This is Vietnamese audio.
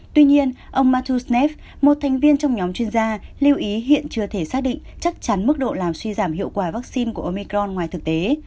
tuy nhiên ông mathuznev một thành viên trong nhóm chuyên gia lưu ý hiện chưa thể xác định chắc chắn mức độ làm suy giảm hiệu quả vaccine của omicron ngoài thực tế